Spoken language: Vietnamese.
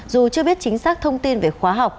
dù chưa biết chính xác thông tin về khóa học